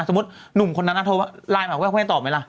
สมมุติหนุ่มคนนั้นโทรไลน์มาคุณแม่คุณแม่ตอบไหมล่ะ